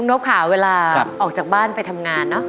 นบค่ะเวลาออกจากบ้านไปทำงานเนอะ